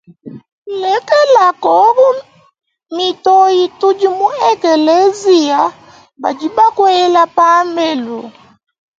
Lekela mitoyi tudi mu ekeleziya badi bakuela pambelu.